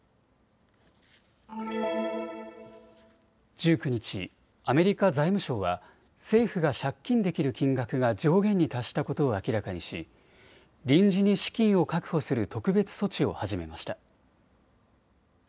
１９日、アメリカ財務省は政府が借金できる金額が上限に達したことを明らかにし臨時に資金を確保する特別措置を始めました。